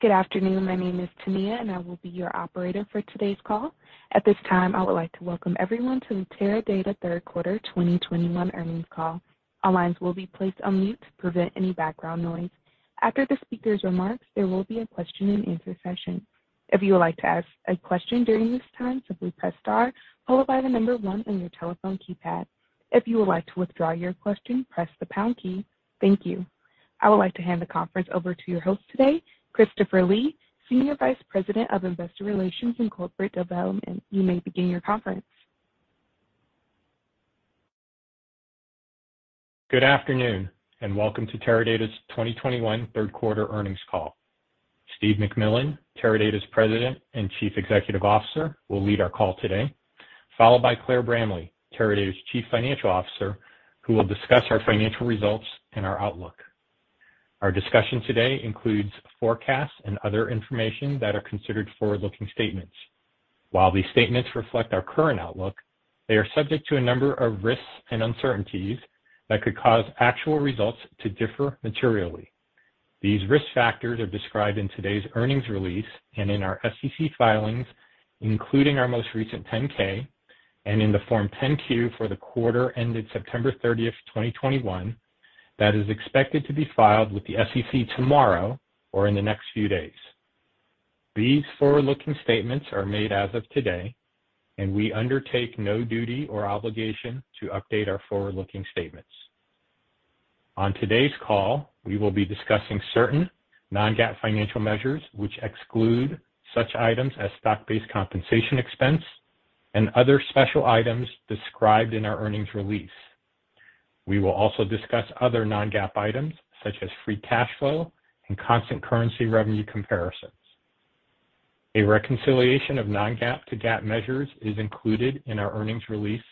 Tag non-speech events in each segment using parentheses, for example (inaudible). Good afternoon. My name is Tamea, and I will be your operator for today's call. At this time, I would like to welcome everyone to the Teradata Third Quarter 2021 Earnings Call. All lines will be placed on mute to prevent any background noise. After the speaker's remarks, there will be a question-and-answer session. If you would like to ask a question during this time, simply press star followed by the number 1 on your telephone keypad. If you would like to withdraw your question, press the pound key. Thank you. I would like to hand the conference over to your host today, Christopher Lee, Senior Vice President of Investor Relations and Corporate Development. You may begin your conference. Good afternoon, and welcome to Teradata's 2021 Third Quarter Earnings Call. Steve McMillan, Teradata's President and Chief Executive Officer, will lead our call today, followed by Claire Bramley, Teradata's Chief Financial Officer, who will discuss our financial results and our outlook. Our discussion today includes forecasts and other information that are considered forward-looking statements. While these statements reflect our current outlook, they are subject to a number of risks and uncertainties that could cause actual results to differ materially. These risk factors are described in today's earnings release and in our SEC filings, including our most recent Form 10-K and in the Form 10-Q for the quarter ended September 30, 2021 that is expected to be filed with the SEC tomorrow or in the next few days. These forward-looking statements are made as of today, and we undertake no duty or obligation to update our forward-looking statements. On today's call, we will be discussing certain non-GAAP financial measures which exclude such items as stock-based compensation expense and other special items described in our earnings release. We will also discuss other non-GAAP items such as free cash flow and constant currency revenue comparisons. A reconciliation of non-GAAP to GAAP measures is included in our earnings release,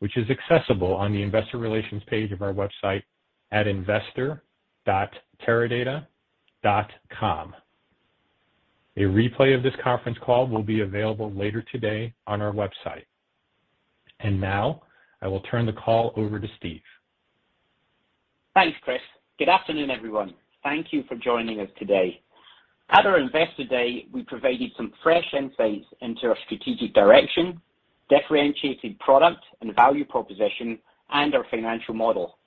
which is accessible on the investor relations page of our website at investor.teradata.com. A replay of this conference call will be available later today on our website. Now I will turn the call over to Steve. Thanks, Chris. Good afternoon, everyone. Thank you for joining us today. At our Investor Day, we provided some fresh insights into our strategic direction, differentiated product and value proposition, and our financial model.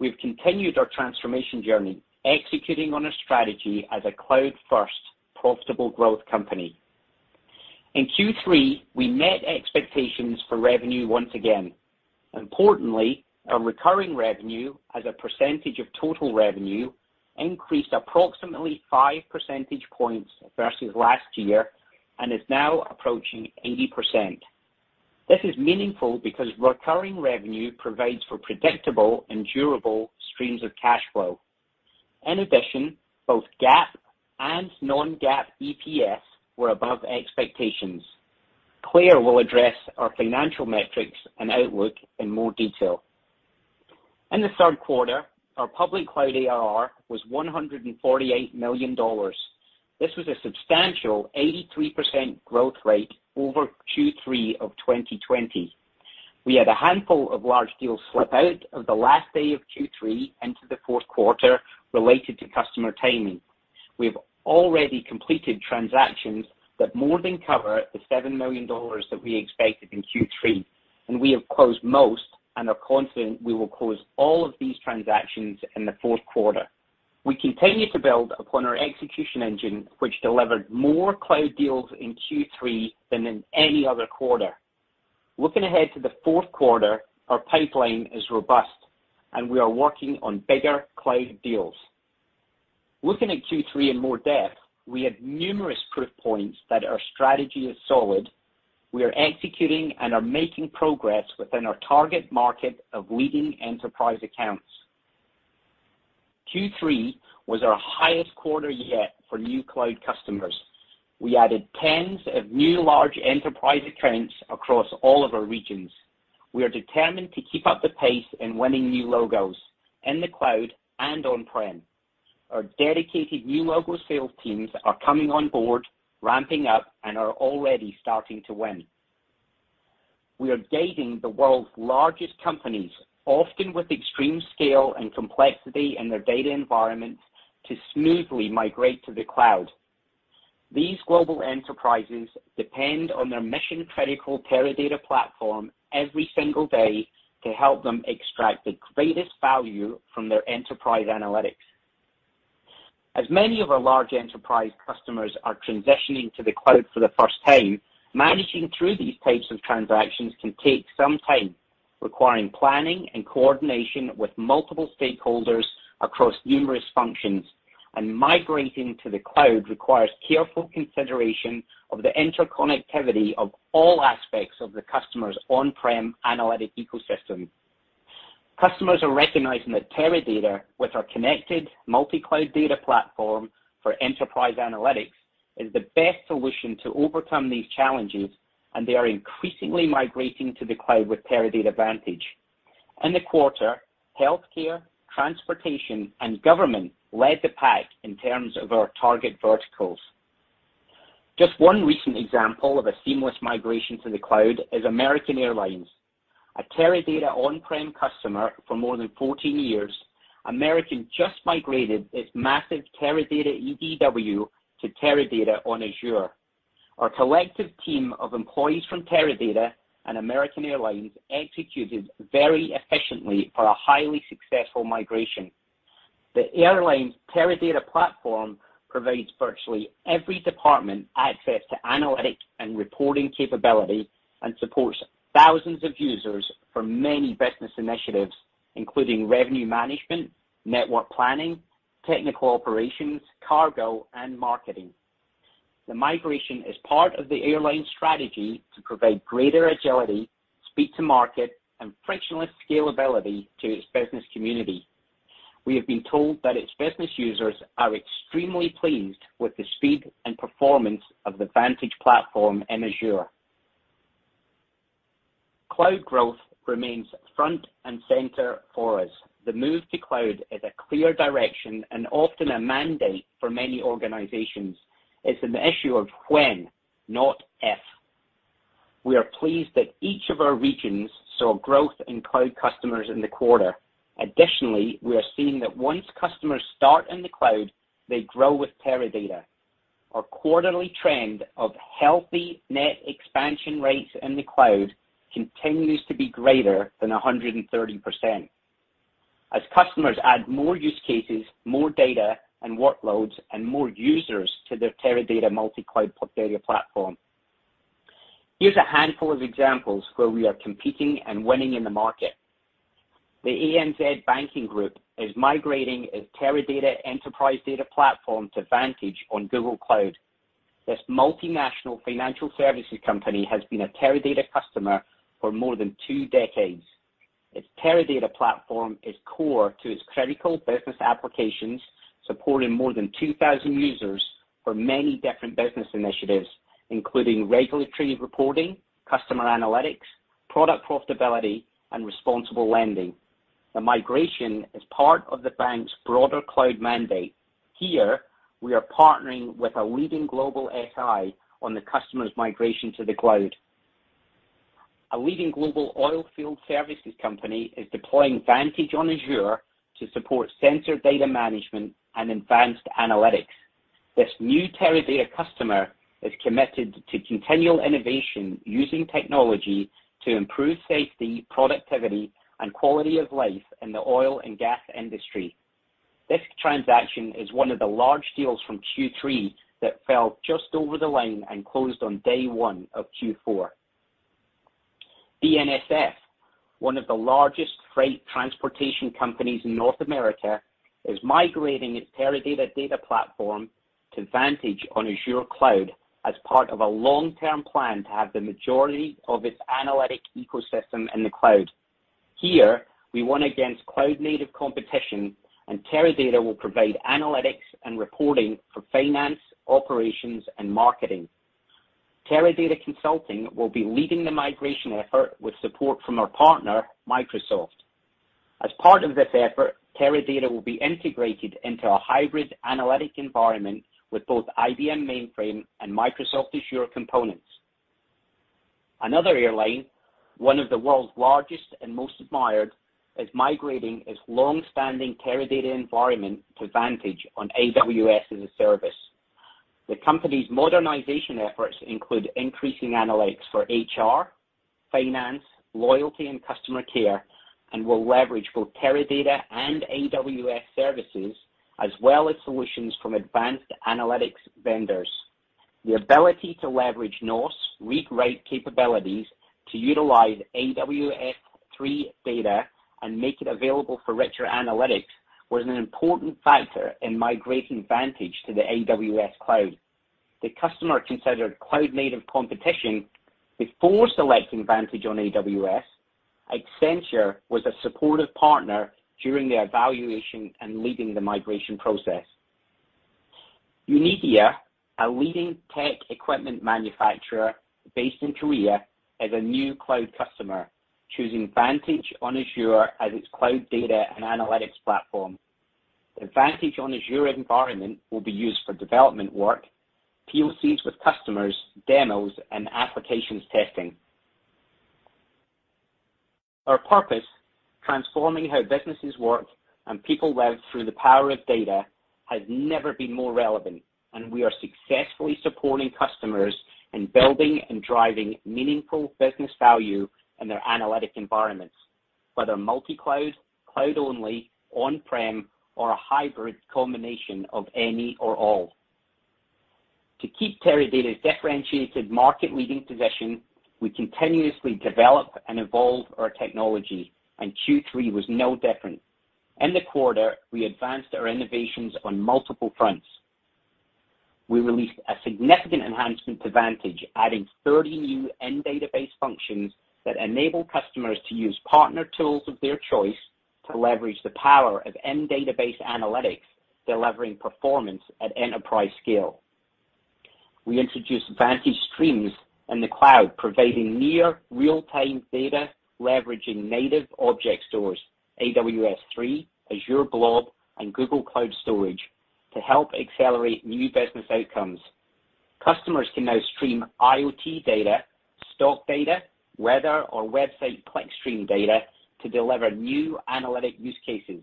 We've continued our transformation journey, executing on a strategy as a cloud-first profitable growth company. In Q3, we met expectations for revenue once again. Importantly, our recurring revenue as a percentage of total revenue increased approximately 5 percentage points versus last year and is now approaching 80%. This is meaningful because recurring revenue provides for predictable and durable streams of cash flow. In addition, both GAAP and non-GAAP EPS were above expectations. Claire will address our financial metrics and outlook in more detail. In the third quarter, our public cloud ARR was $148 million. This was a substantial 83% growth rate over Q3 of 2020. We had a handful of large deals slip out of the last day of Q3 into the fourth quarter related to customer timing. We've already completed transactions that more than cover the $7 million that we expected in Q3, and we have closed most and are confident we will close all of these transactions in the fourth quarter. We continue to build upon our execution engine, which delivered more cloud deals in Q3 than in any other quarter. Looking ahead to the fourth quarter, our pipeline is robust, and we are working on bigger cloud deals. Looking at Q3 in more depth, we have numerous proof points that our strategy is solid. We are executing and are making progress within our target market of leading enterprise accounts. Q3 was our highest quarter yet for new cloud customers. We added tens of new large enterprise accounts across all of our regions. We are determined to keep up the pace in winning new logos in the cloud and on-prem. Our dedicated new logo sales teams are coming on board, ramping up, and are already starting to win. We are gaining the world's largest companies, often with extreme scale and complexity in their data environments, to smoothly migrate to the cloud. These global enterprises depend on their mission-critical Teradata platform every single day to help them extract the greatest value from their enterprise analytics. As many of our large enterprise customers are transitioning to the cloud for the first time, managing through these types of transactions can take some time, requiring planning and coordination with multiple stakeholders across numerous functions. Migrating to the cloud requires careful consideration of the interconnectivity of all aspects of the customer's on-prem analytic ecosystem. Customers are recognizing that Teradata, with our connected multi-cloud data platform for enterprise analytics, is the best solution to overcome these challenges, and they are increasingly migrating to the cloud with Teradata Vantage. In the quarter, healthcare, transportation, and government led the pack in terms of our target verticals. Just one recent example of a seamless migration to the cloud is American Airlines, a Teradata on-prem customer for more than 14 years. American just migrated its massive Teradata EDW to Teradata on Azure. Our collective team of employees from Teradata and American Airlines executed very efficiently for a highly successful migration. The airline's Teradata platform provides virtually every department access to analytic and reporting capability and supports thousands of users for many business initiatives, including revenue management, network planning, technical operations, cargo, and marketing. The migration is part of the airline's strategy to provide greater agility, speed to market, and frictionless scalability to its business community. We have been told that its business users are extremely pleased with the speed and performance of the Vantage platform in Azure. Cloud growth remains front and center for us. The move to cloud is a clear direction and often a mandate for many organizations. It's an issue of when, not if. We are pleased that each of our regions saw growth in cloud customers in the quarter. Additionally, we are seeing that once customers start in the cloud, they grow with Teradata. Our quarterly trend of healthy net expansion rates in the cloud continues to be greater than 130%. As customers add more use cases, more data, and workloads, and more users to their Teradata multi-cloud data platform. Here's a handful of examples where we are competing and winning in the market. The ANZ Banking Group is migrating its Teradata enterprise data platform to Vantage on Google Cloud. This multinational financial services company has been a Teradata customer for more than two decades. Its Teradata platform is core to its critical business applications, supporting more than 2,000 users for many different business initiatives, including regulatory reporting, customer analytics, product profitability, and responsible lending. The migration is part of the bank's broader cloud mandate. Here we are partnering with a leading global SI on the customer's migration to the cloud. A leading global oilfield services company is deploying Vantage on Azure to support sensor data management and advanced analytics. This new Teradata customer is committed to continual innovation using technology to improve safety, productivity, and quality of life in the oil and gas industry. This transaction is one of the large deals from Q3 that fell just over the line and closed on day one of Q4. BNSF, one of the largest freight transportation companies in North America, is migrating its Teradata data platform to Vantage on Azure Cloud as part of a long-term plan to have the majority of its analytic ecosystem in the cloud. Here we won against cloud-native competition, and Teradata will provide analytics and reporting for finance, operations, and marketing. Teradata Consulting will be leading the migration effort with support from our partner, Microsoft. As part of this effort, Teradata will be integrated into a hybrid analytic environment with both IBM mainframe and Microsoft Azure components. Another airline, one of the world's largest and most admired, is migrating its longstanding Teradata environment to Vantage on AWS as a service. The company's modernization efforts include increasing analytics for HR, finance, loyalty, and customer care, and will leverage both Teradata and AWS services, as well as solutions from advanced analytics vendors. The ability to leverage NOS rewrite capabilities to utilize AWS S3 data and make it available for richer analytics was an important factor in migrating Vantage to the AWS cloud. The customer considered cloud-native competitors before selecting Vantage on AWS. Accenture was a supportive partner during the evaluation and leading the migration process. Unidia, a leading tech equipment manufacturer based in Korea, is a new cloud customer, choosing Vantage on Azure as its cloud data and analytics platform. The Vantage on Azure environment will be used for development work, POCs with customers, demos, and applications testing. Our purpose, transforming how businesses work and people live through the power of data, has never been more relevant, and we are successfully supporting customers in building and driving meaningful business value in their analytic environments, whether multi-cloud, cloud only, on-prem, or a hybrid combination of any or all. To keep Teradata's differentiated market leading position, we continuously develop and evolve our technology, and Q3 was no different. In the quarter, we advanced our innovations on multiple fronts. We released a significant enhancement to Vantage, adding 30 new in-database functions that enable customers to use partner tools of their choice to leverage the power of in-database analytics, delivering performance at enterprise scale. We introduced Vantage Streams in the cloud, providing near real-time data, leveraging native object stores, AWS S3, Azure Blob Storage, and Google Cloud Storage to help accelerate new business outcomes. Customers can now stream IoT data, stock data, weather or website clickstream data to deliver new analytic use cases.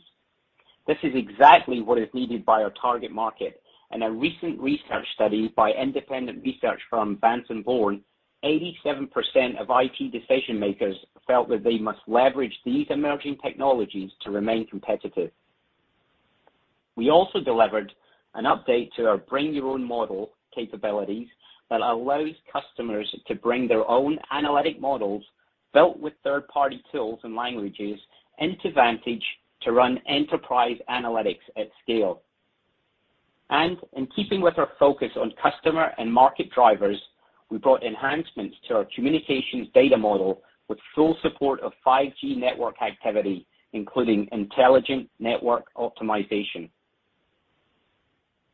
This is exactly what is needed by our target market. In a recent research study by independent research firm Vanson Bourne, 87% of IT decision makers felt that they must leverage these emerging technologies to remain competitive. We also delivered an update to our Bring Your Own Model capabilities that allows customers to bring their own analytic models built with third-party tools and languages into Vantage to run enterprise analytics at scale. In keeping with our focus on customer and market drivers, we brought enhancements to our communications data model with full support of 5G network activity, including intelligent network optimization.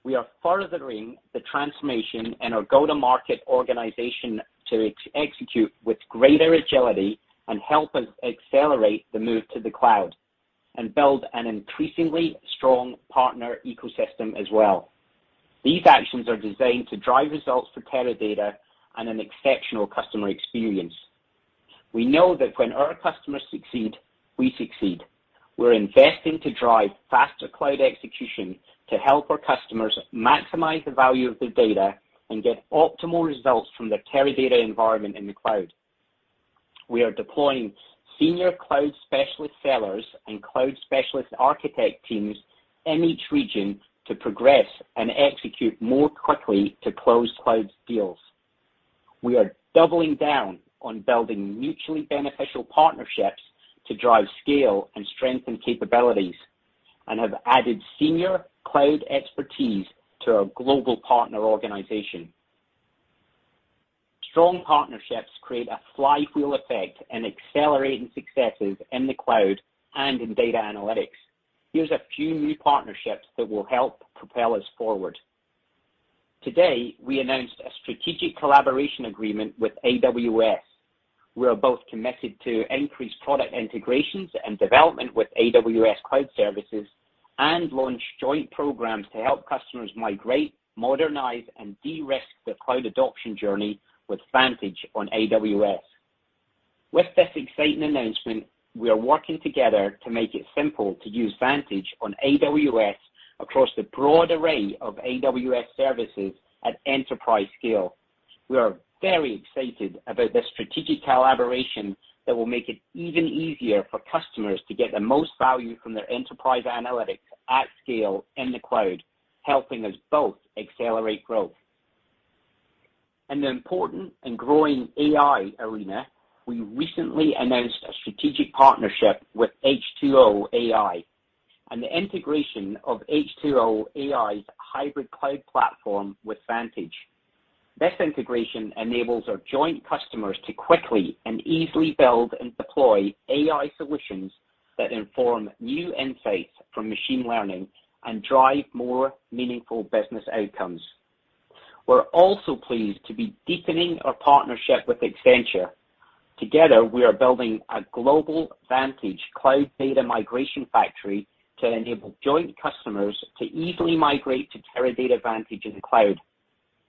We are furthering the transformation in our go-to-market organization to execute with greater agility and help us accelerate the move to the cloud, and build an increasingly strong partner ecosystem as well. These actions are designed to drive results for Teradata and an exceptional customer experience. We know that when our customers succeed, we succeed. We're investing to drive faster cloud execution to help our customers maximize the value of their data and get optimal results from their Teradata environment in the cloud. We are deploying senior cloud specialist sellers and cloud specialist architect teams in each region to progress and execute more quickly to close cloud deals. We are doubling down on building mutually beneficial partnerships to drive scale and strengthen capabilities, and have added senior cloud expertise to our global partner organization. Strong partnerships create a flywheel effect in accelerating successes in the cloud and in data analytics. Here's a few new partnerships that will help propel us forward. Today, we announced a strategic collaboration agreement with AWS. We are both committed to increased product integrations and development with AWS cloud services and launch joint programs to help customers migrate, modernize, and de-risk their cloud adoption journey with Vantage on AWS. With this exciting announcement, we are working together to make it simple to use Vantage on AWS across the broad array of AWS services at enterprise scale. We are very excited about this strategic collaboration that will make it even easier for customers to get the most value from their enterprise analytics at scale in the cloud, helping us both accelerate growth. In the important and growing AI arena, we recently announced a strategic partnership with H2O.ai and the integration of H2O.ai's hybrid cloud platform with Vantage. This integration enables our joint customers to quickly and easily build and deploy AI solutions that inform new insights from machine learning and drive more meaningful business outcomes. We're also pleased to be deepening our partnership with Accenture. Together, we are building a global Vantage cloud data migration factory to enable joint customers to easily migrate to Teradata Vantage in the cloud.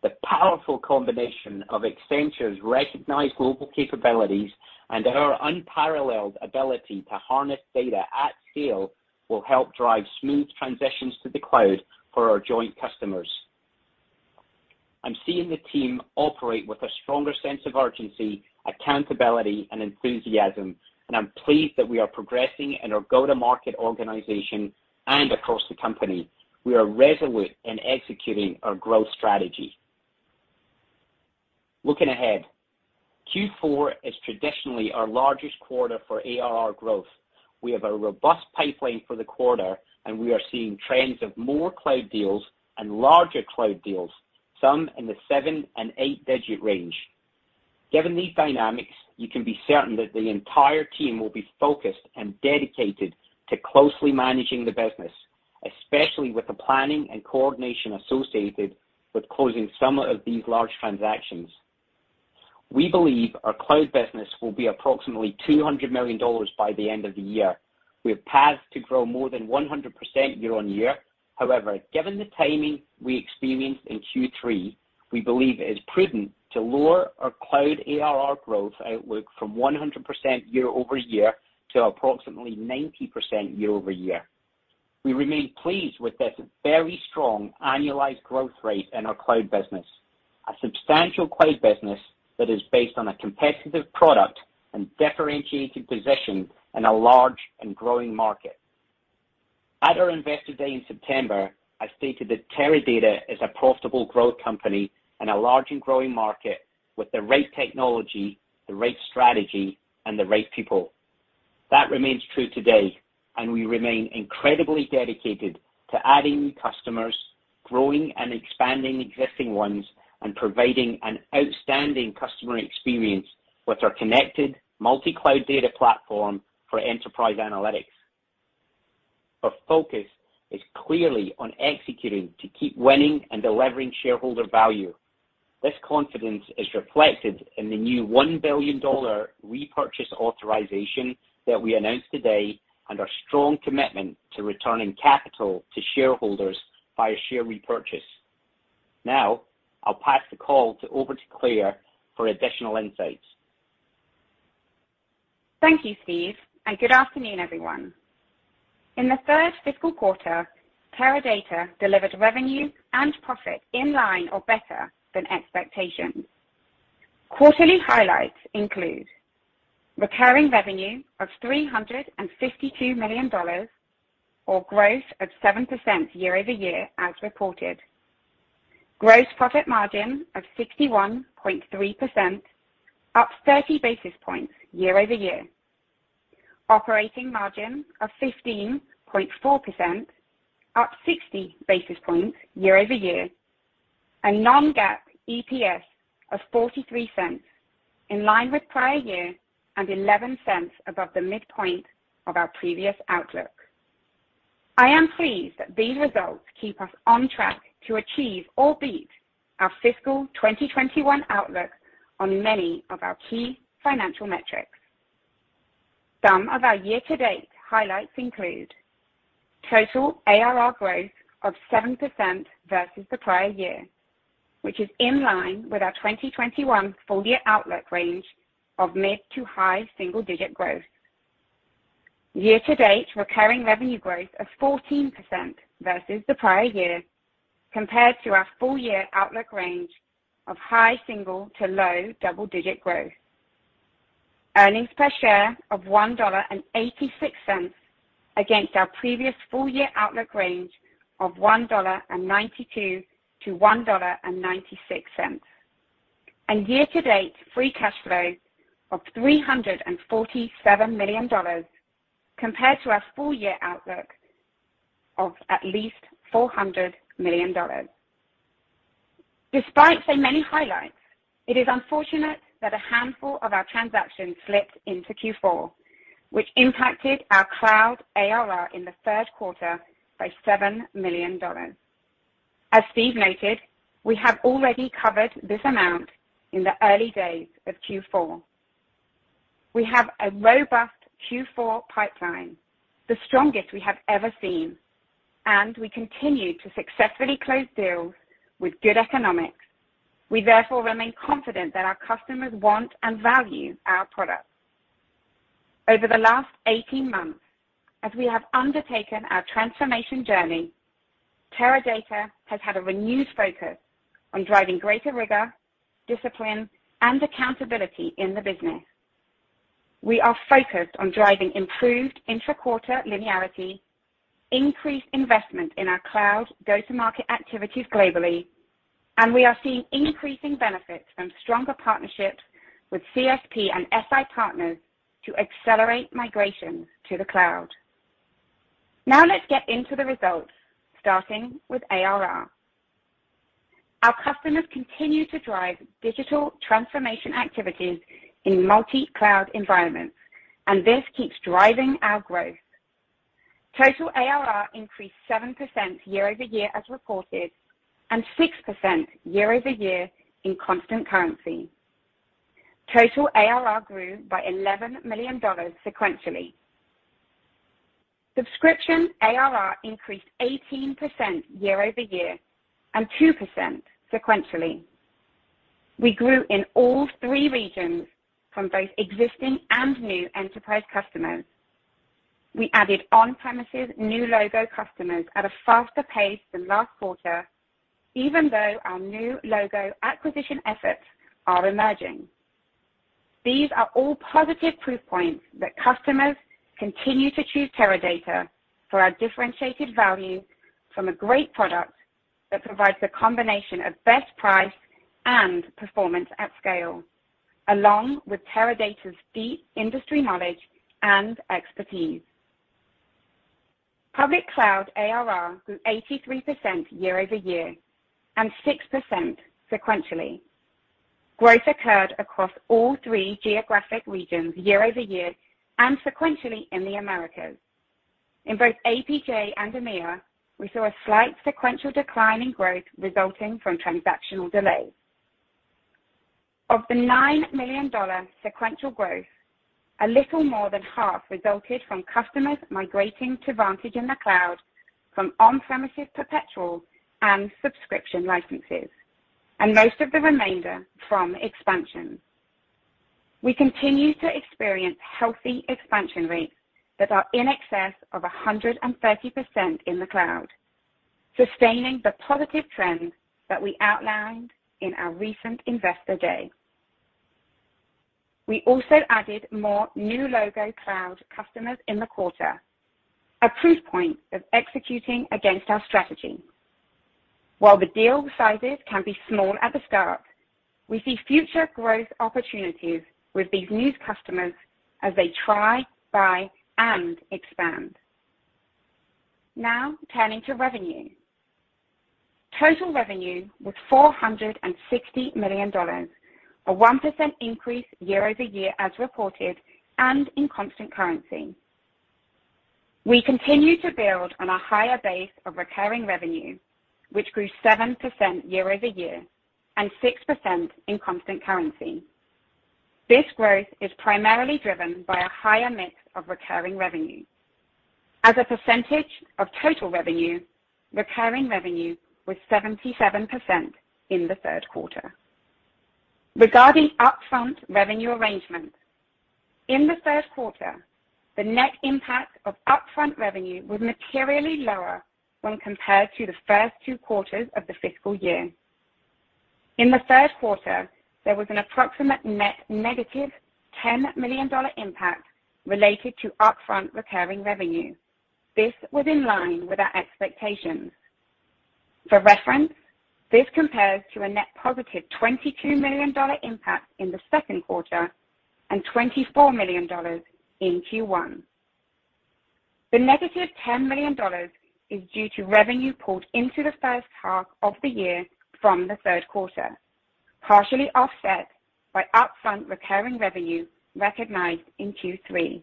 The powerful combination of Accenture's recognized global capabilities and our unparalleled ability to harness data at scale will help drive smooth transitions to the cloud for our joint customers. I'm seeing the team operate with a stronger sense of urgency, accountability, and enthusiasm, and I'm pleased that we are progressing in our go-to-market organization and across the company. We are resolute in executing our growth strategy. Looking ahead, Q4 is traditionally our largest quarter for ARR growth. We have a robust pipeline for the quarter, and we are seeing trends of more cloud deals and larger cloud deals, some in the seven and eight-digit range. Given these dynamics, you can be certain that the entire team will be focused and dedicated to closely managing the business, especially with the planning and coordination associated with closing some of these large transactions. We believe our cloud business will be approximately $200 million by the end of the year. We have paths to grow more than 100% year-over-year. However, given the timing we experienced in Q3, we believe it is prudent to lower our cloud ARR growth outlook from 100% year-over-year to approximately 90% year-over-year. We remain pleased with this very strong annualized growth rate in our cloud business, a substantial cloud business that is based on a competitive product and differentiated position in a large and growing market. At our Investor Day in September, I stated that Teradata is a profitable growth company in a large and growing market with the right technology, the right strategy, and the right people. That remains true today, and we remain incredibly dedicated to adding new customers, growing and expanding existing ones, and providing an outstanding customer experience with our connected multi-cloud data platform for enterprise analytics. Our focus is clearly on executing to keep winning and delivering shareholder value. This confidence is reflected in the new $1 billion repurchase authorization that we announced today and our strong commitment to returning capital to shareholders via share repurchase. Now I'll pass the call over to Claire for additional insights. Thank you, Steve, and good afternoon, everyone. In the third fiscal quarter, Teradata delivered revenue and profit in line or better than expectations. Quarterly highlights include recurring revenue of $352 million or growth of 7% year-over-year as reported. Gross profit margin of 61.3%, up 30 basis points year-over-year. Operating margin of 15.4%, up 60 basis points year-over-year. Non-GAAP EPS of $0.43, in line with prior year and $0.11 above the midpoint of our previous outlook. I am pleased that these results keep us on track to achieve or beat our fiscal 2021 outlook on many of our key financial metrics. Some of our year-to-date highlights include total ARR growth of 7% versus the prior year, which is in line with our 2021 full-year outlook range of mid to high single-digit growth. Year to date, recurring revenue growth of 14% versus the prior year compared to our full year outlook range of high single to low double-digit growth. Earnings per share of $1.86 against our previous full year outlook range of $1.92-$1.96. Year-to-date free cash flow of $347 million compared to our full year outlook of at least $400 million. Despite so many highlights, it is unfortunate that a handful of our transactions slipped into Q4, which impacted our cloud ARR in the third quarter by $7 million. As Steve noted, we have already covered this amount in the early days of Q4. We have a robust Q4 pipeline, the strongest we have ever seen, and we continue to successfully close deals with good economics. We therefore remain confident that our customers want and value our products. Over the last 18 months, as we have undertaken our transformation journey, Teradata has had a renewed focus on driving greater rigor, discipline, and accountability in the business. We are focused on driving improved intra-quarter linearity, increased investment in our cloud go-to-market activities globally, and we are seeing increasing benefits from stronger partnerships with CSP and SI partners to accelerate migration to the cloud. Now let's get into the results, starting with ARR. Our customers continue to drive digital transformation activities in multi-cloud environments, and this keeps driving our growth. Total ARR increased 7% year-over-year as reported and 6% year-over-year in constant currency. Total ARR grew by $11 million sequentially. Subscription ARR increased 18% year-over-year and 2% sequentially. We grew in all three regions from both existing and new enterprise customers. We added on-premises new logo customers at a faster pace than last quarter, even though our new logo acquisition efforts are emerging. These are all positive proof points that customers continue to choose Teradata for our differentiated value from a great product that provides a combination of best price and performance at scale, along with Teradata's deep industry knowledge and expertise. Public cloud ARR grew 83% year-over-year and 6% sequentially. Growth occurred across all three geographic regions year-over-year and sequentially in the Americas. In both APJ and EMEA, we saw a slight sequential decline in growth resulting from transactional delays. Of the $9 million sequential growth, a little more than half resulted from customers migrating to Vantage in the cloud from on-premises perpetual and subscription licenses, and most of the remainder from expansion. We continue to experience healthy expansion rates that are in excess of 130% in the cloud, sustaining the positive trends that we outlined in our recent Investor Day. We also added more new logo cloud customers in the quarter, a proof point of executing against our strategy. While the deal sizes can be small at the start, we see future growth opportunities with these new customers as they try, buy, and expand. Now turning to revenue. Total revenue was $460 million, a 1% increase year-over-year as reported and in constant currency. We continue to build on a higher base of recurring revenue, which grew 7% year-over-year and 6% in constant currency. This growth is primarily driven by a higher mix of recurring revenue. As a percentage of total revenue, recurring revenue was 77% in the third quarter. Regarding upfront revenue arrangements, in the third quarter, the net impact of upfront revenue was materially lower when compared to the first two quarters of the fiscal year. In the third quarter, there was an approximate net negative $10 million impact related to upfront recurring revenue. This was in line with our expectations. For reference, this compares to a net positive $22 million impact in the second quarter and $24 million in Q1. The negative $10 million is due to revenue pulled into the first half of the year from the third quarter, partially offset by upfront recurring revenue recognized in Q3,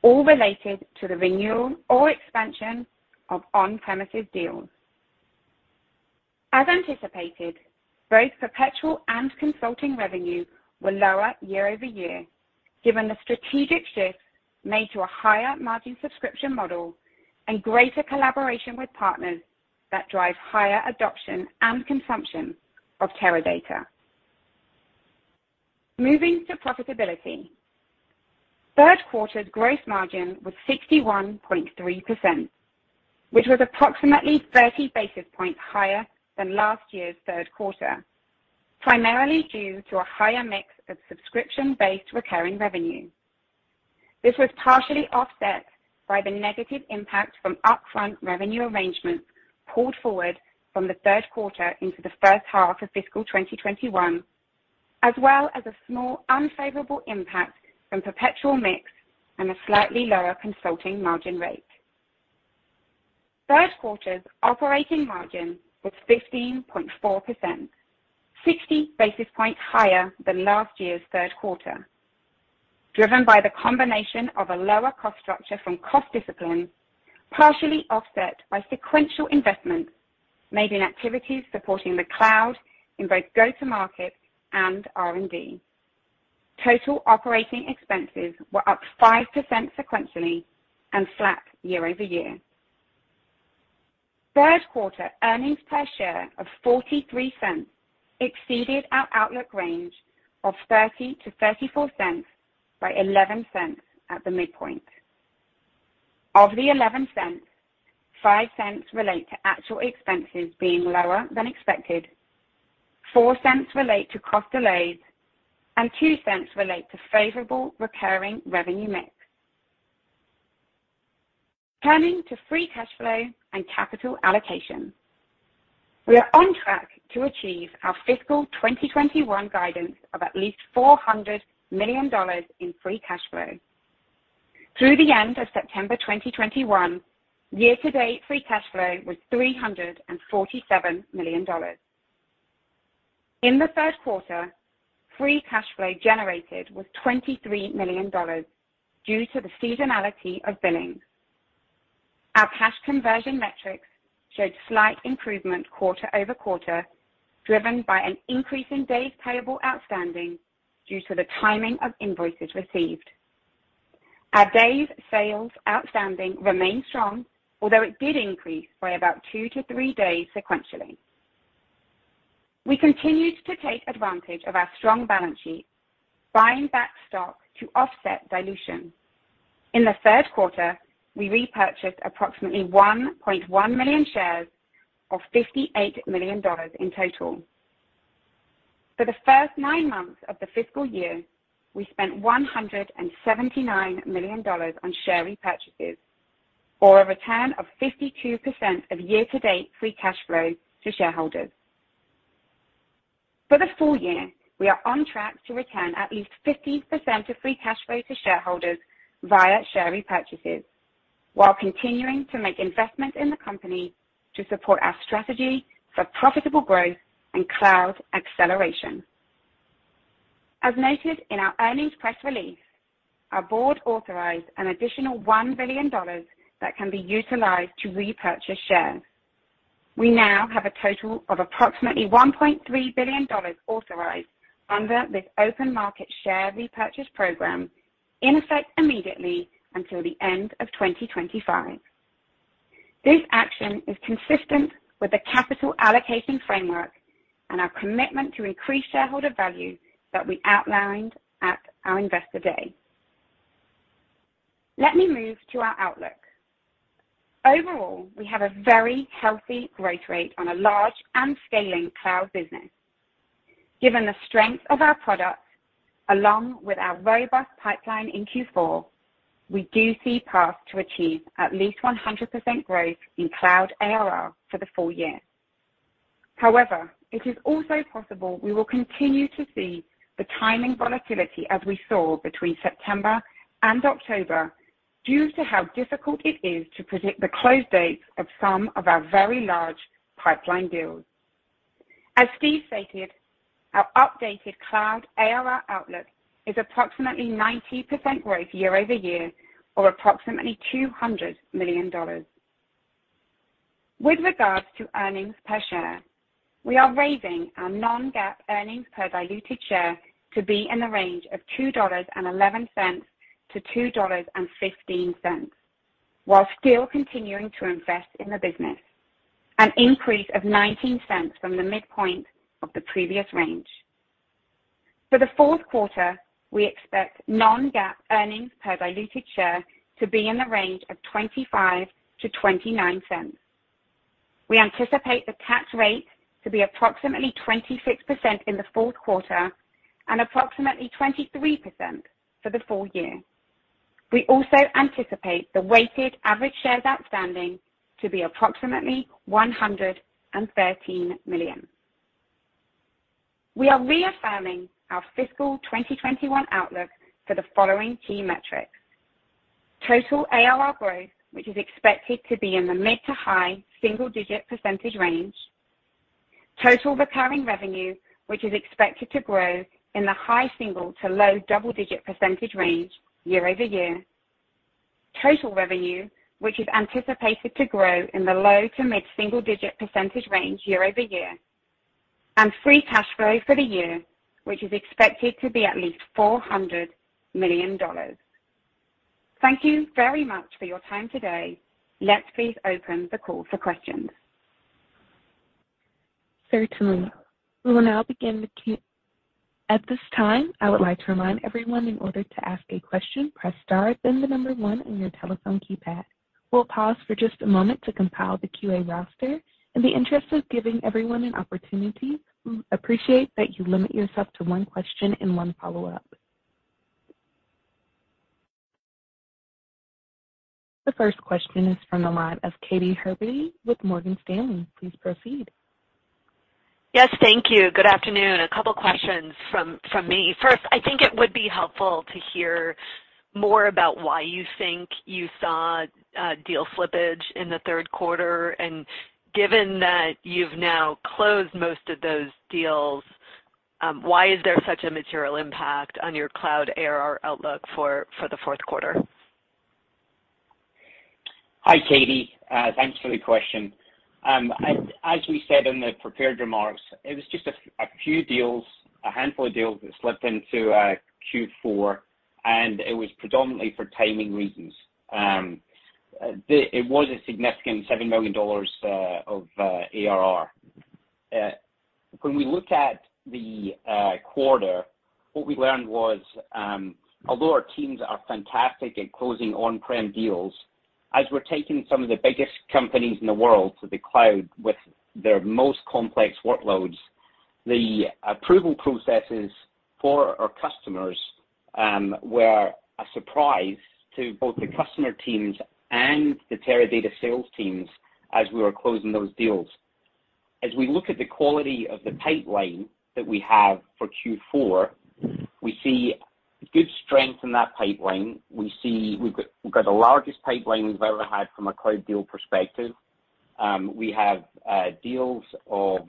all related to the renewal or expansion of on-premises deals. As anticipated, both perpetual and consulting revenue were lower year-over-year, given the strategic shift made to a higher margin subscription model and greater collaboration with partners that drive higher adoption and consumption of Teradata. Moving to profitability. The third quarter's gross margin was 61.3%, which was approximately 30 basis points higher than last year's third quarter, primarily due to a higher mix of subscription-based recurring revenue. This was partially offset by the negative impact from upfront revenue arrangements pulled forward from the third quarter into the first half of fiscal 2021, as well as a small unfavorable impact from perpetual mix and a slightly lower consulting margin rate. Third quarter's operating margin was 15.4%, 60 basis points higher than last year's third quarter, driven by the combination of a lower cost structure from cost discipline, partially offset by sequential investments made in activities supporting the cloud in both go-to-market and R&D. Total operating expenses were up 5% sequentially and flat year-over-year. Third quarter earnings per share of $0.43 exceeded our outlook range of $0.30-$0.34 by $0.11 at the midpoint. Of the $0.11, $0.05 relate to actual expenses being lower than expected, $0.04 relate to cost delays, and $0.02 relate to favorable recurring revenue mix. Turning to free cash flow and capital allocation. We are on track to achieve our fiscal 2021 guidance of at least $400 million in free cash flow. Through the end of September 2021, year-to-date free cash flow was $347 million. In the third quarter, free cash flow generated was $23 million due to the seasonality of billing. Our cash conversion metrics showed slight improvement quarter-over-quarter, driven by an increase in days payable outstanding due to the timing of invoices received. Our days sales outstanding remain strong, although it did increase by about 2-3 days sequentially. We continued to take advantage of our strong balance sheet, buying back stock to offset dilution. In the third quarter, we repurchased approximately 1.1 million shares for $58 million in total. For the first nine months of the fiscal year, we spent $179 million on share repurchases or a return of 52% of year-to-date free cash flow to shareholders. For the full year, we are on track to return at least 50% of free cash flow to shareholders via share repurchases while continuing to make investments in the company to support our strategy for profitable growth and cloud acceleration. As noted in our earnings press release, our board authorized an additional $1 billion that can be utilized to repurchase shares. We now have a total of approximately $1.3 billion authorized under this open market share repurchase program, in effect immediately until the end of 2025. This action is consistent with the capital allocation framework and our commitment to increase shareholder value that we outlined at our Investor Day. Let me move to our outlook. Overall, we have a very healthy growth rate on a large and scaling cloud business. Given the strength of our products along with our robust pipeline in Q4, we do see paths to achieve at least 100% growth in cloud ARR for the full year. However, it is also possible we will continue to see the timing volatility as we saw between September and October due to how difficult it is to predict the close dates of some of our very large pipeline deals. As Steve stated, our updated cloud ARR outlook is approximately 90% growth year-over-year or approximately $200 million. With regards to earnings per share, we are raising our non-GAAP earnings per diluted share to be in the range of $2.11-$2.15 while still continuing to invest in the business, an increase of $0.19 from the midpoint of the previous range. For the fourth quarter, we expect non-GAAP earnings per diluted share to be in the range of $0.25-$0.29. We anticipate the tax rate to be approximately 26% in the fourth quarter and approximately 23% for the full year. We also anticipate the weighted average shares outstanding to be approximately 113 million. We are reaffirming our fiscal 2021 outlook for the following key metrics. Total ARR growth, which is expected to be in the mid- to high single-digit percentage range, total recurring revenue, which is expected to grow in the high single to low double-digit percentage range year-over-year, total revenue, which is anticipated to grow in the low to mid single-digit percentage range year-over-year, and free cash flow for the year, which is expected to be at least $400 million. Thank you very much for your time today. Let's please open the call for questions. Certainly. We will now begin the Q&A. At this time, I would like to remind everyone, in order to ask a question, press star, then the number 1 in your telephone keypad. We'll pause for just a moment to compile the Q&A roster. In the interest of giving everyone an opportunity, we appreciate that you limit yourself to one question and one follow-up. The first question is from the line of Katy Huberty with Morgan Stanley. Please proceed. Yes, thank you. Good afternoon. A couple questions from me. First, I think it would be helpful to hear more about why you think you saw deal slippage in the third quarter. Given that you've now closed most of those deals, why is there such a material impact on your cloud ARR outlook for the fourth quarter? Hi, Katy. Thanks for the question. As we said in the prepared remarks, it was just a few deals, a handful of deals that slipped into Q4, and it was predominantly for timing reasons. It was a significant $7 million of ARR. When we look at the quarter, what we learned was, although our teams are fantastic at closing on-prem deals, as we're taking some of the biggest companies in the world to the cloud with their most complex workloads, the approval processes for our customers were a surprise to both the customer teams and the Teradata sales teams as we were closing those deals. As we look at the quality of the pipeline that we have for Q4, we see good strength in that pipeline. We see we've got the largest pipeline we've ever had from a cloud deal perspective. We have deals of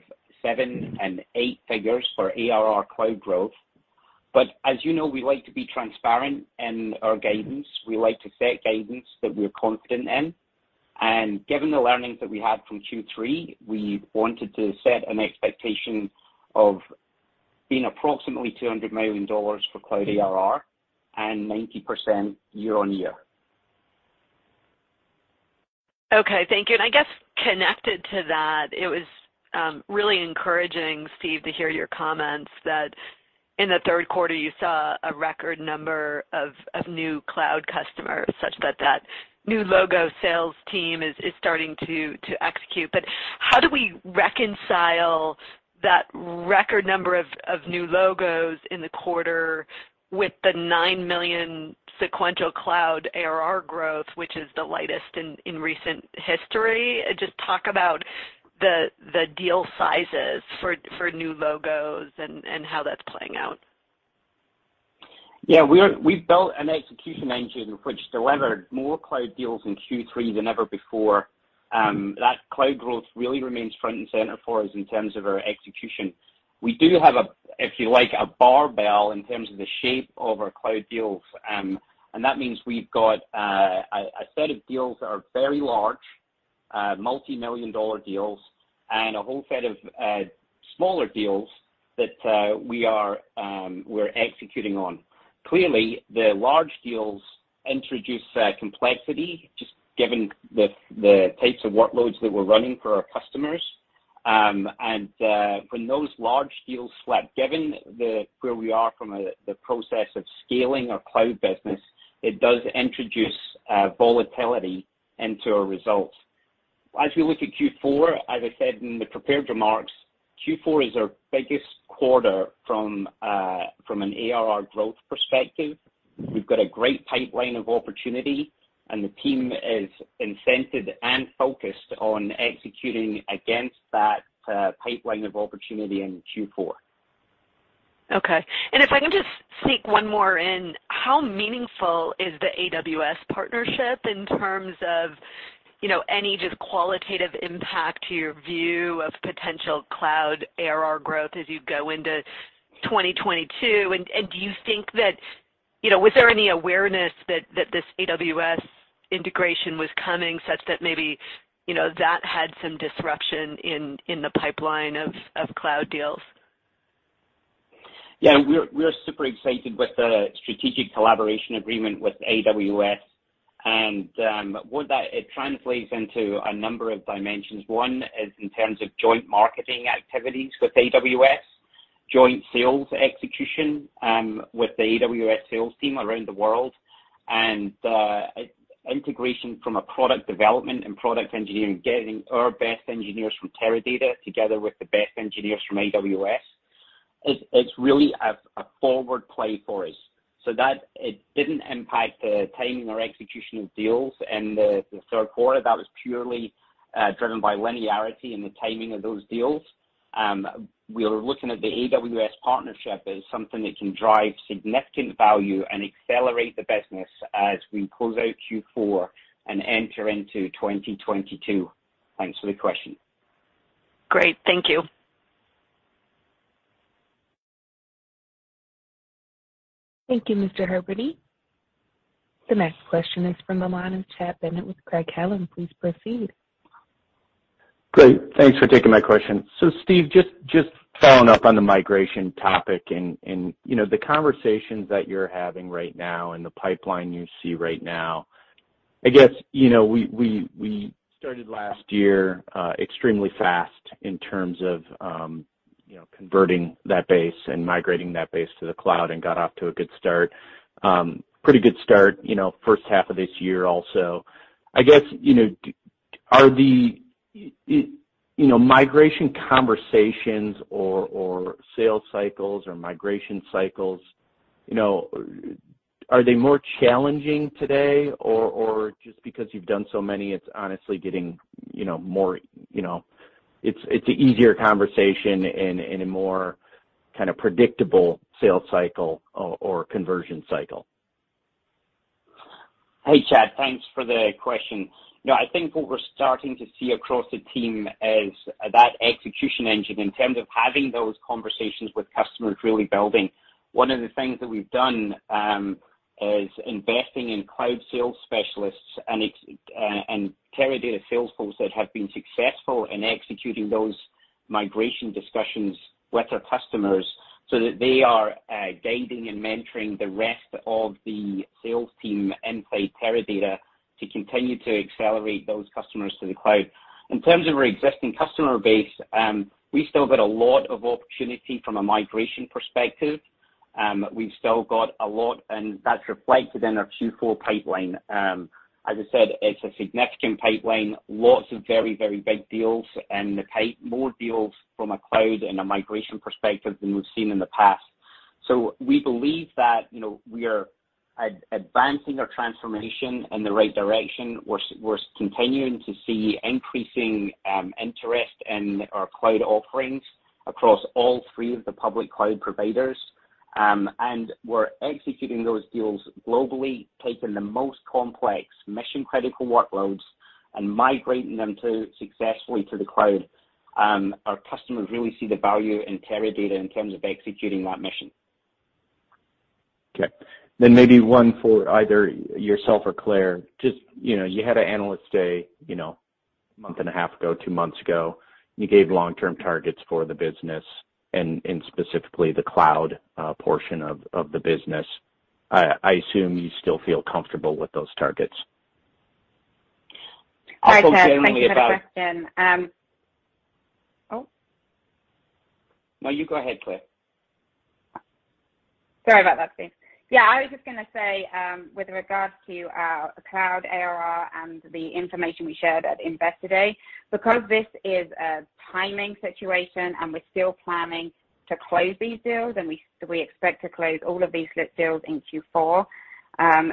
seven and eight figure for ARR cloud growth. As you know, we like to be transparent in our guidance. We like to set guidance that we're confident in. Given the learnings that we had from Q3, we wanted to set an expectation of being approximately $200 million for cloud ARR and 90% year-over-year. Okay. Thank you. I guess connected to that, it was really encouraging, Steve, to hear your comments that in the third quarter you saw a record number of new cloud customers such that new logo sales team is starting to execute. How do we reconcile that record number of new logos in the quarter with the $9 million sequential cloud ARR growth, which is the lightest in recent history? Just talk about the deal sizes for new logos and how that's playing out. Yeah, we've built an execution engine which delivered more cloud deals in Q3 than ever before. That cloud growth really remains front and center for us in terms of our execution. We do have, if you like, a barbell in terms of the shape of our cloud deals. That means we've got a set of deals that are very large multimillion-dollar deals and a whole set of smaller deals that we're executing on. Clearly, the large deals introduce complexity just given the types of workloads that we're running for our customers. When those large deals slip, given where we are from the process of scaling our cloud business, it does introduce volatility into our results. As we look at Q4, as I said in the prepared remarks, Q4 is our biggest quarter from an ARR growth perspective. We've got a great pipeline of opportunity, and the team is incented and focused on executing against that pipeline of opportunity in Q4. Okay. If I can just sneak one more in, how meaningful is the AWS partnership in terms of, you know, any just qualitative impact to your view of potential cloud ARR growth as you go into 2022? Do you think that you know, was there any awareness that this AWS integration was coming such that maybe, you know, that had some disruption in the pipeline of cloud deals? Yeah. We're super excited with the strategic collaboration agreement with AWS. What that translates into a number of dimensions. One is in terms of joint marketing activities with AWS, joint sales execution with the AWS sales team around the world, and integration from a product development and product engineering, getting our best engineers from Teradata together with the best engineers from AWS. It's really a forward play for us. That it didn't impact the timing or execution of deals in the third quarter. That was purely driven by linearity and the timing of those deals. We're looking at the AWS partnership as something that can drive significant value and accelerate the business as we close out Q4 and enter into 2022. Thanks for the question. Great. Thank you. Thank you, Ms. Huberty. The next question is from the line of Chad Bennett with Craig-Hallum Capital Group. Please proceed. Great. Thanks for taking my question. Steve, just following up on the migration topic and, you know, the conversations that you're having right now and the pipeline you see right now. I guess, you know, we started last year extremely fast in terms of, you know, converting that base and migrating that base to the cloud and got off to a good start. Pretty good start, you know, first half of this year also. I guess, you know, migration conversations or sales cycles or migration cycles, you know, are they more challenging today? Or just because you've done so many, it's honestly getting, you know, more, it's an easier conversation in a more kinda predictable sales cycle or conversion cycle. Hey, Chad. Thanks for the question. You know, I think what we're starting to see across the team is that execution engine in terms of having those conversations with customers really building. One of the things that we've done is investing in cloud sales specialists and Teradata sales force that have been successful in executing those migration discussions with our customers so that they are guiding and mentoring the rest of the sales team inside Teradata to continue to accelerate those customers to the cloud. In terms of our existing customer base, we've still got a lot of opportunity from a migration perspective. We've still got a lot, and that's reflected in our Q4 pipeline. As I said, it's a significant pipeline, lots of very big deals and more deals from a cloud and a migration perspective than we've seen in the past. We believe that, you know, we are advancing our transformation in the right direction. We're continuing to see increasing interest in our cloud offerings across all three of the public cloud providers. We're executing those deals globally, taking the most complex mission-critical workloads and migrating them successfully to the cloud. Our customers really see the value in Teradata in terms of executing that mission. Okay. Maybe one for either yourself or Claire. Just, you know, you had an Analyst Day, you know, a month and a half ago, two months ago, and you gave long-term targets for the business and specifically the cloud portion of the business. I assume you still feel comfortable with those targets. Also generally about (crosstalk) Sorry, Chad. I just had a question. Oh. No, you go ahead, Claire. Sorry about that, Steve. Yeah, I was just gonna say, with regards to our cloud ARR and the information we shared at Investor Day, because this is a timing situation and we're still planning to close these deals, and we expect to close all of these deals in Q4,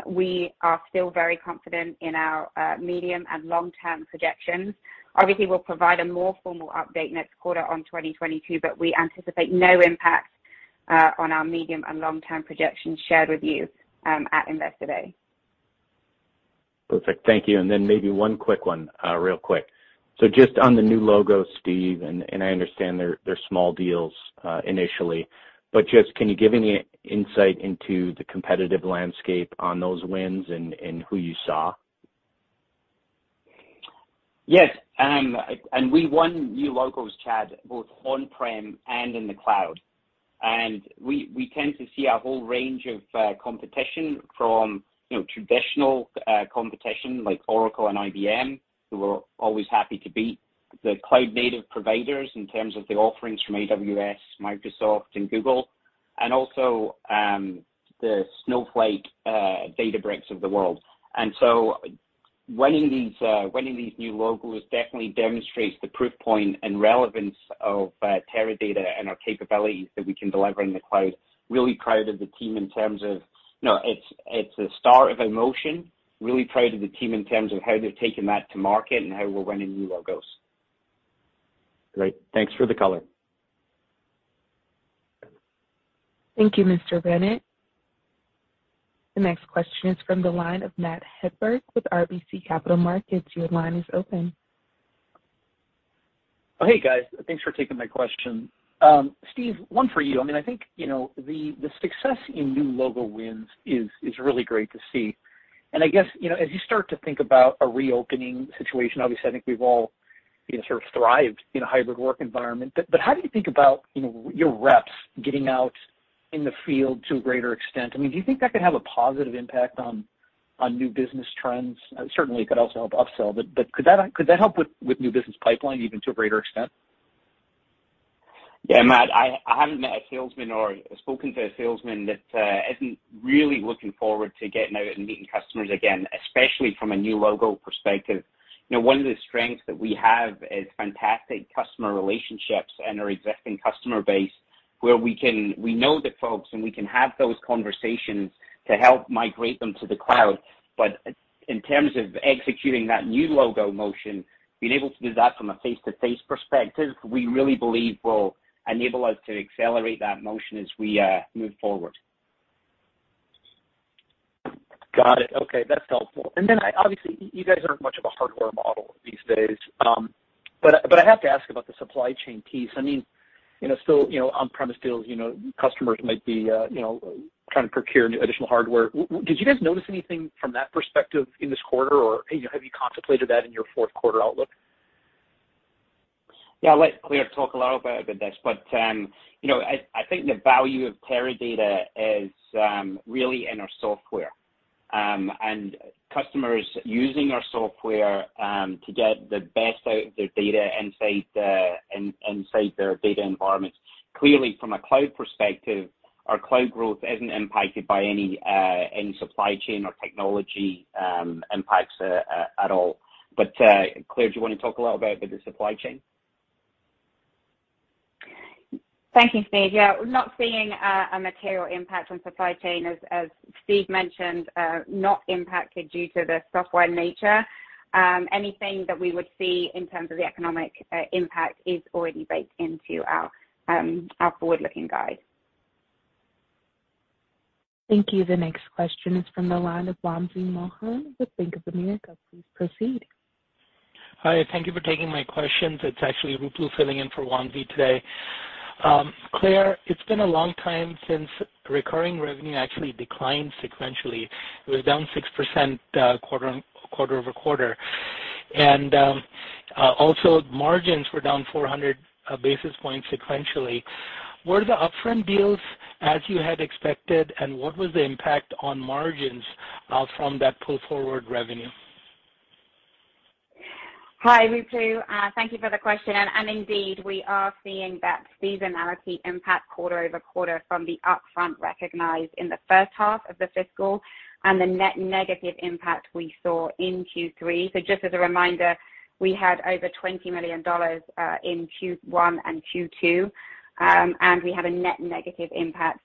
we are still very confident in our medium and long-term projections. Obviously, we'll provide a more formal update next quarter on 2022, but we anticipate no impact on our medium and long-term projections shared with you at Investor Day. Perfect. Thank you. Maybe one quick one, real quick. Just on the new logos, Steve, and I understand they're small deals initially, but just, can you give any insight into the competitive landscape on those wins and who you saw? Yes. We won new logos, Chad, both on-prem and in the cloud. We tend to see a whole range of competition from, you know, traditional competition like Oracle and IBM, who we're always happy to beat, the cloud native providers in terms of the offerings from AWS, Microsoft and Google. Also, the Snowflake, Databricks of the world. Winning these new logos definitely demonstrates the proof point and relevance of Teradata and our capabilities that we can deliver in the cloud. It's the start of a motion. Really proud of the team in terms of how they're taking that to market and how we're winning new logos. Great. Thanks for the color. Thank you, Mr. Bennett. The next question is from the line of Matt Hedberg with RBC Capital Markets. Your line is open. Oh, hey, guys. Thanks for taking my question. Steve, one for you. I mean, I think, you know, the success in new logo wins is really great to see. I guess, you know, as you start to think about a reopening situation, obviously, I think we've all, you know, sort of thrived in a hybrid work environment. How do you think about, you know, your reps getting out in the field to a greater extent? I mean, do you think that could have a positive impact on new business trends? Certainly, it could also help upsell. Could that help with new business pipeline even to a greater extent? Yeah, Matt, I haven't met a salesman or spoken to a salesman that isn't really looking forward to getting out and meeting customers again, especially from a new logo perspective. You know, one of the strengths that we have is fantastic customer relationships and our existing customer base where we know the folks, and we can have those conversations to help migrate them to the cloud. But in terms of executing that new logo motion, being able to do that from a face-to-face perspective, we really believe will enable us to accelerate that motion as we move forward. Got it. Okay, that's helpful. Obviously, you guys aren't much of a hardware model these days. But I have to ask about the supply chain piece. I mean, you know, so you know, on-premise deals, you know, customers might be you know, trying to procure new additional hardware. Well, did you guys notice anything from that perspective in this quarter, or you know, have you contemplated that in your fourth quarter outlook? Yeah. I'll let Claire talk a little bit about this. You know, I think the value of Teradata is really in our software, and customers using our software, to get the best out of their data inside their data environments. Clearly, from a cloud perspective, our cloud growth isn't impacted by any supply chain or technology impacts at all. Claire, do you wanna talk a little bit about the supply chain? Thank you, Steve. Yeah. We're not seeing a material impact on supply chain. As Steve mentioned, not impacted due to the software nature. Anything that we would see in terms of the economic impact is already baked into our forward-looking guide. Thank you. The next question is from the line of Wamsi Mohan with Bank of America. Please proceed. Hi, thank you for taking my questions. It's actually Ruplu filling in for Wamsi today. Claire, it's been a long time since recurring revenue actually declined sequentially. It was down 6% quarter-over-quarter. Also margins were down 400 basis points sequentially. Were the upfront deals as you had expected, and what was the impact on margins from that pull-forward revenue? Hi, Ruplu. Thank you for the question. Indeed, we are seeing that seasonality impact quarter-over-quarter from the upfront recognized in the first half of the fiscal and the net negative impact we saw in Q3. Just as a reminder, we had over $20 million in Q1 and Q2. We have a net negative impact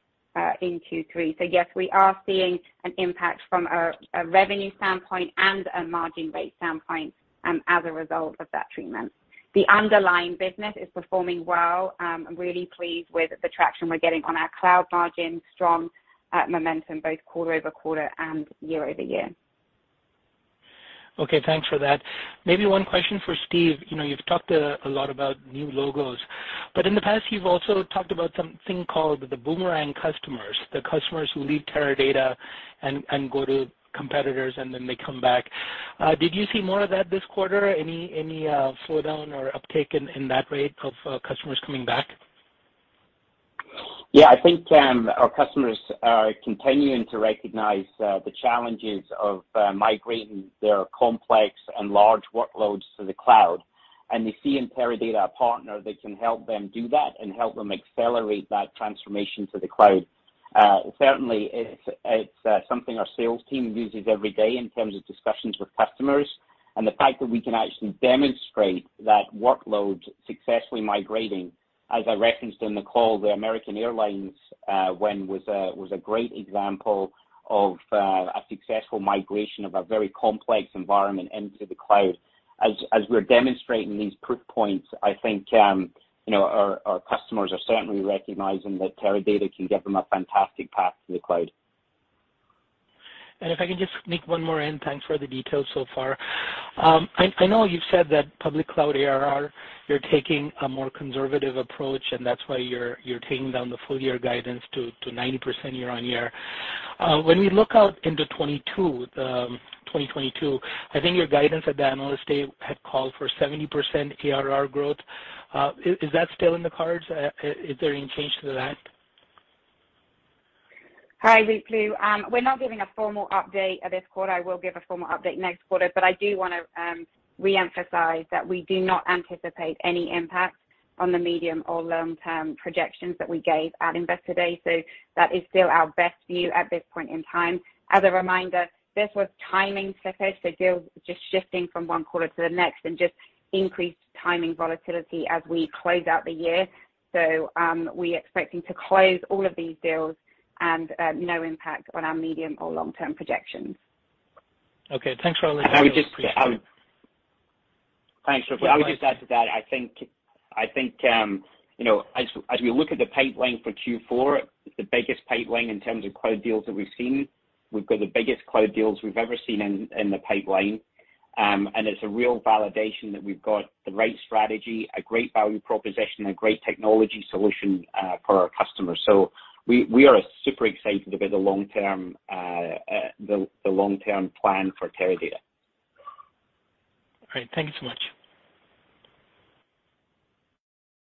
in Q3. Yes, we are seeing an impact from a revenue standpoint and a margin rate standpoint as a result of that treatment. The underlying business is performing well. I'm really pleased with the traction we're getting on our cloud margin, strong momentum both quarter-over-quarter and year-over-year. Okay, thanks for that. Maybe one question for Steve. You know, you've talked a lot about new logos. In the past, you've also talked about something called the boomerang customers, the customers who leave Teradata and go to competitors, and then they come back. Did you see more of that this quarter? Any slowdown or uptake in that rate of customers coming back? Yeah. I think our customers are continuing to recognize the challenges of migrating their complex and large workloads to the cloud. They see in Teradata a partner that can help them do that and help them accelerate that transformation to the cloud. Certainly, it's something our sales team uses every day in terms of discussions with customers. The fact that we can actually demonstrate that workload successfully migrating, as I referenced in the call, the American Airlines win was a great example of a successful migration of a very complex environment into the cloud. As we're demonstrating these proof points, I think you know our customers are certainly recognizing that Teradata can give them a fantastic path to the cloud. If I can just sneak one more in. Thanks for the details so far. I know you've said that public cloud ARR, you're taking a more conservative approach, and that's why you're taking down the full year guidance to 90% year-over-year. When we look out into 2022, I think your guidance at the Analyst Day had called for 70% ARR growth. Is that still in the cards? Is there any change to that? Hi, Ruplu. We're not giving a formal update in this quarter. I will give a formal update next quarter, but I do wanna reemphasize that we do not anticipate any impact on the medium or long-term projections that we gave at Investor Day. That is still our best view at this point in time. As a reminder, this was timing-focused, so deals just shifting from one quarter to the next and just increased timing volatility as we close out the year. We're expecting to close all of these deals and no impact on our medium or long-term projections. Okay, thanks for all the details. Appreciate it. Thanks, Ruplu. I would just add to that. I think you know, as we look at the pipeline for Q4, the biggest pipeline in terms of cloud deals that we've seen. We've got the biggest cloud deals we've ever seen in the pipeline. It's a real validation that we've got the right strategy, a great value proposition, a great technology solution for our customers. We are super excited about the long-term plan for Teradata. All right. Thank you so much.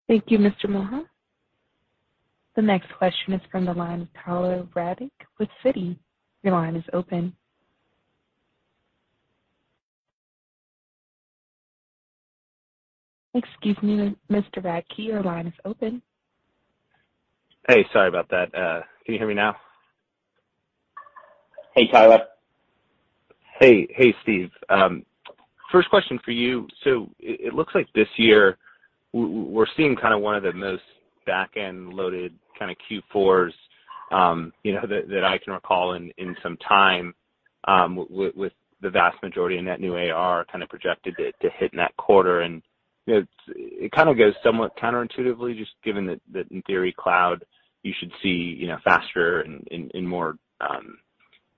Thank you, Mr. Mohan. The next question is from the line of Tyler Radke with Citi. Your line is open. Excuse me, Mr. Radke, your line is open. Hey, sorry about that. Can you hear me now? Hey, Tyler. Hey. Hey, Steve. First question for you. It looks like this year we're seeing kind of one of the most back-end loaded kind of Q4s, you know, that I can recall in some time, with the vast majority of net new ARR kind of projected to hit next quarter. You know, it kind of goes somewhat counterintuitively, just given that in theory cloud you should see, you know, faster and more,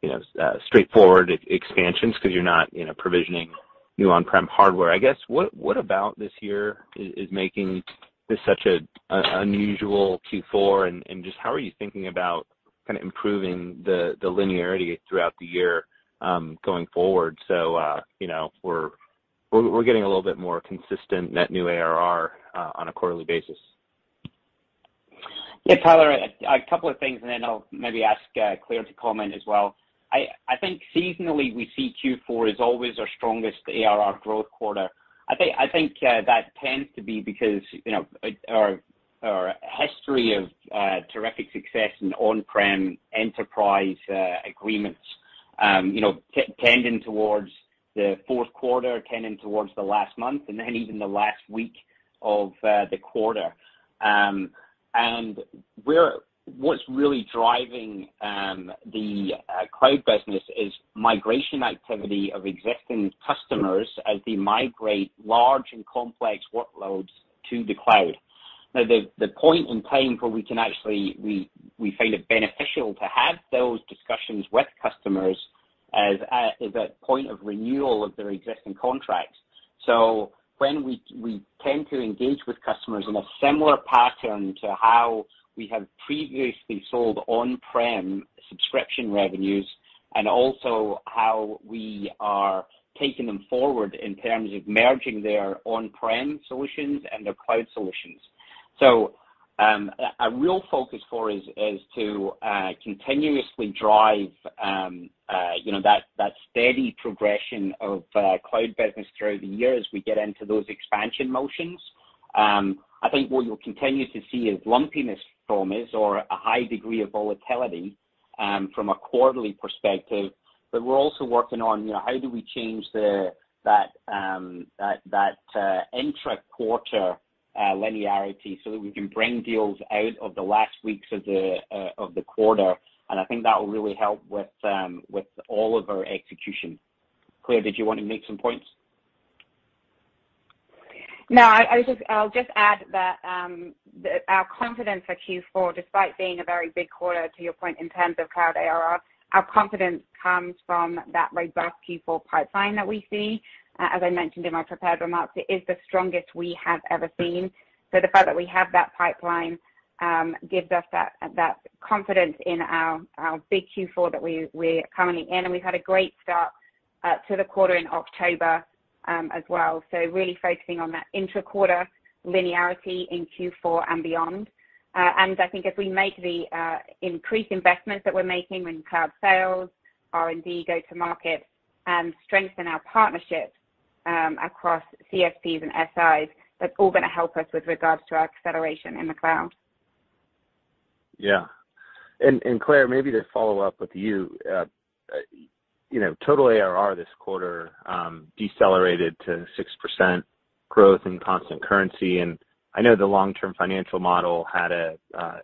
you know, straightforward expansions 'cause you're not, you know, provisioning new on-prem hardware. I guess, what about this year is making this such an unusual Q4, and just how are you thinking about kind of improving the linearity throughout the year, going forward so, you know, we're getting a little bit more consistent net new ARR on a quarterly basis? Yeah, Tyler, a couple of things, and then I'll maybe ask Claire to comment as well. I think seasonally we see Q4 is always our strongest ARR growth quarter. I think that tends to be because, you know, our history of terrific success in on-prem enterprise agreements, you know, tending towards the fourth quarter, tending towards the last month, and then even the last week of the quarter. What's really driving the cloud business is migration activity of existing customers as they migrate large and complex workloads to the cloud. Now, the point in time where we can actually we find it beneficial to have those discussions with customers as is at point of renewal of their existing contracts. When we tend to engage with customers in a similar pattern to how we have previously sold on-prem subscription revenues, and also how we are taking them forward in terms of merging their on-prem solutions and their cloud solutions. A real focus for us is to continuously drive you know that steady progression of cloud business through the year as we get into those expansion motions. I think what you'll continue to see is lumpiness from this or a high degree of volatility from a quarterly perspective. We're also working on you know how do we change that intra-quarter linearity so that we can bring deals out of the last weeks of the quarter, and I think that will really help with all of our execution. Claire, did you want to make some points? No. I'll just add that our confidence for Q4, despite being a very big quarter, to your point, in terms of cloud ARR, our confidence comes from that robust Q4 pipeline that we see. As I mentioned in my prepared remarks, it is the strongest we have ever seen. The fact that we have that pipeline gives us that confidence in our big Q4 that we're currently in. We've had a great start to the quarter in October as well. Really focusing on that intra-quarter linearity in Q4 and beyond. I think as we make the increased investments that we're making in cloud sales, R&D, go to market, strengthen our partnerships across CSPs and SIs, that's all gonna help us with regards to our acceleration in the cloud. Yeah. Claire, maybe to follow up with you. You know, total ARR this quarter decelerated to 6% growth in constant currency, and I know the long-term financial model had a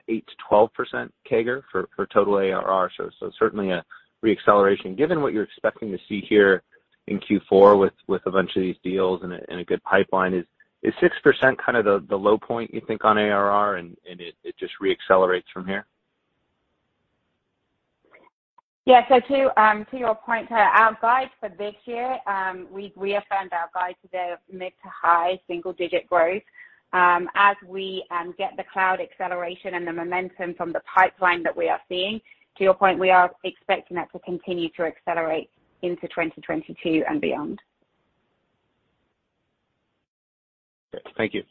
8%-12% CAGR for total ARR, so certainly a re-acceleration. Given what you're expecting to see here in Q4 with a bunch of these deals and a good pipeline, is 6% kind of the low point you think on ARR and it just re-accelerates from here? To your point, our guide for this year we've reaffirmed our guide today of mid- to high-single-digit growth. As we get the cloud acceleration and the momentum from the pipeline that we are seeing, to your point, we are expecting that to continue to accelerate into 2022 and beyond. Thank you.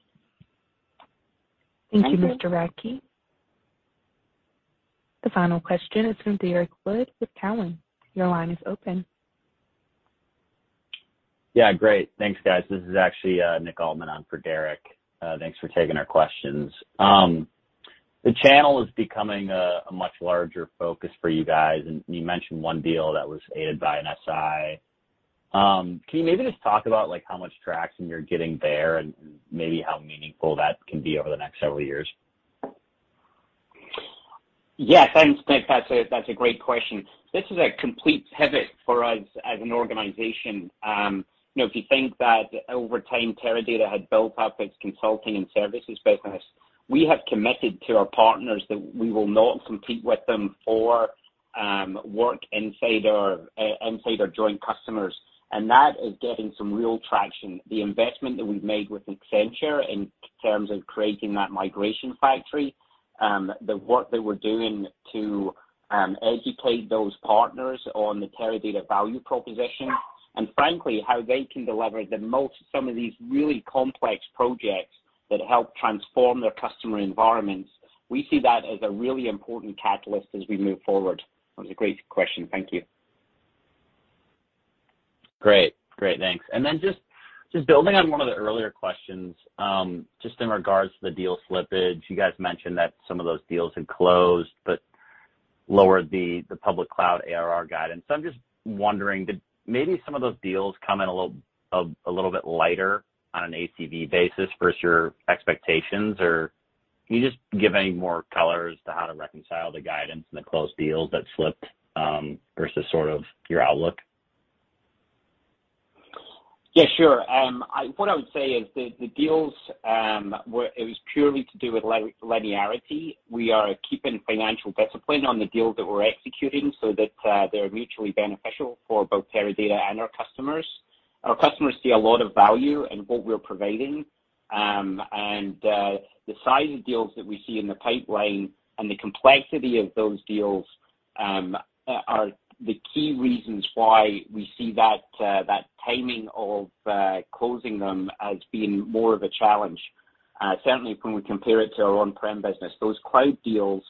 Thank you, Mr. Radke. The final question is from Derrick Wood with Cowen. Your line is open. Yeah, great. Thanks, guys. This is actually Nick Altmann on for Derrick. Thanks for taking our questions. The channel is becoming a much larger focus for you guys, and you mentioned one deal that was aided by an SI. Can you maybe just talk about like how much traction you're getting there and maybe how meaningful that can be over the next several years? Yeah. Thanks, Nick. That's a great question. This is a complete pivot for us as an organization. You know, if you think that over time Teradata had built up its consulting and services business, we have committed to our partners that we will not compete with them for work inside our joint customers, and that is getting some real traction. The investment that we've made with Accenture in terms of creating that migration factory, the work that we're doing to educate those partners on the Teradata value proposition, and frankly, how they can deliver the most from some of these really complex projects that help transform their customer environments, we see that as a really important catalyst as we move forward. That was a great question. Thank you. Great. Great, thanks. Just building on one of the earlier questions, just in regards to the deal slippage, you guys mentioned that some of those deals had closed but lowered the public cloud ARR guidance. I'm just wondering, did maybe some of those deals come in a little bit lighter on an ACV basis versus your expectations? Or can you just give any more color as to how to reconcile the guidance and the closed deals that slipped versus sort of your outlook? Yeah, sure. What I would say is the deals it was purely to do with linearity. We are keeping financial discipline on the deals that we're executing so that they're mutually beneficial for both Teradata and our customers. Our customers see a lot of value in what we're providing, and the size of deals that we see in the pipeline and the complexity of those deals are the key reasons why we see that that timing of closing them as being more of a challenge, certainly when we compare it to our on-prem business. Those cloud deals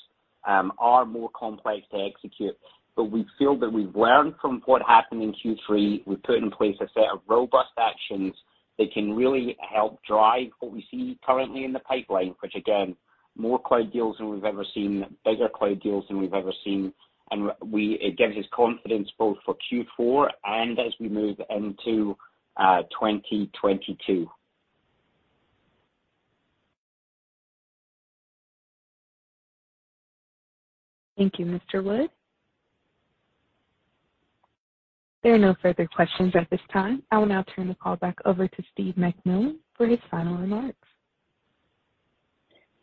are more complex to execute, but we feel that we've learned from what happened in Q3. We've put in place a set of robust actions that can really help drive what we see currently in the pipeline, which again, more cloud deals than we've ever seen, bigger cloud deals than we've ever seen. It gives us confidence both for Q4 and as we move into 2022. Thank you, Mr. Wood. There are no further questions at this time. I will now turn the call back over to Steve McMillan for his final remarks.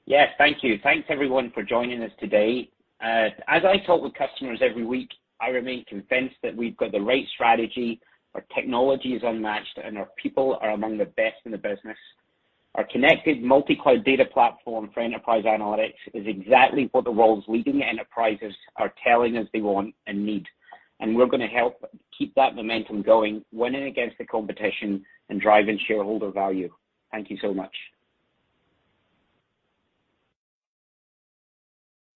Yes, thank you. Thanks everyone for joining us today. As I talk with customers every week, I remain convinced that we've got the right strategy, our technology is unmatched, and our people are among the best in the business. Our connected multi-cloud data platform for enterprise analytics is exactly what the world's leading enterprises are telling us they want and need, and we're gonna help keep that momentum going, winning against the competition and driving shareholder value. Thank you so much.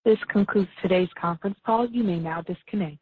This concludes today's conference call. You may now disconnect.